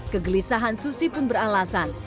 kegelisahan susi pun beralasan